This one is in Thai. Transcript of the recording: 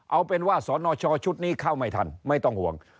เอาเป็นว่าสนชชุดนี้เข้าไม่ทันไม่ต้องห่วง